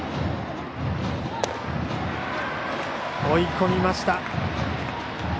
追い込みました。